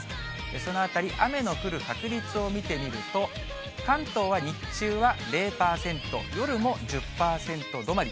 そのあたり、雨の降る確率を見てみると、関東は日中は０％、夜も１０％止まり。